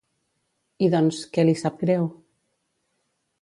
I doncs, què li sap greu?